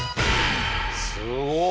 すごい！